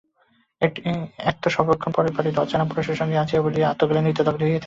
এক তো সর্বক্ষণ পরের বাড়িতে অচেনা পুরুষের সঙ্গে আছে বলিয়া সর্বদাই আত্মগ্লানিতে দগ্ধ হইতেছে।